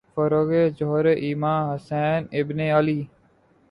فروغِ جوہرِ ایماں، حسین ابنِ علی